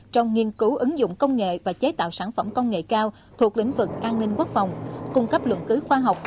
trong nghiên cứu ứng dụng công nghệ và chế tạo sản phẩm công nghệ cao thuộc lĩnh vực an ninh quốc phòng cung cấp luận cứu khoa học